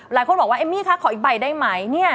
หลายคนบอกว่าเอมมี่คะขออีกใบได้ไหมเนี่ย